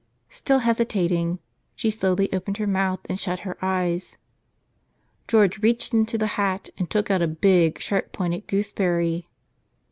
Still hesitating, she slowly opened her mouth and shut her eyes. George reached into the hat and took out a big, sharp pointed gooseberry.